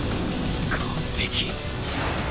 完璧